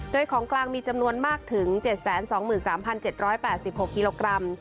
โดยของกลางมีจำนวนมากถึงเจ็ดแสนสองหมื่นสามพันเจ็ดร้อยแปดสิบหกกิโลกรัม